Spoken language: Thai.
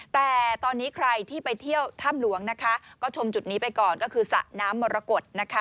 แต่ตอนนี้ใครที่ไปเที่ยวถ้ำหลวงนะคะก็ชมจุดนี้ไปก่อนก็คือสระน้ำมรกฏนะคะ